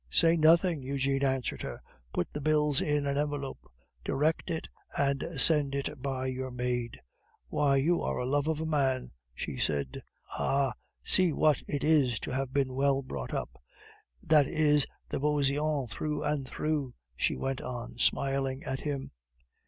"Say nothing," Eugene answered her. "Put the bills in an envelope, direct it, and send it by your maid." "Why, you are a love of a man," she said. "Ah! see what it is to have been well brought up. That is the Beauseant through and through," she went on, smiling at him.